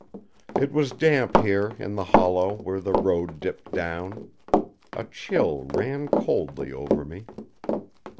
_" It was damp here in the hollow where the road dipped down. A chill ran coldly over me.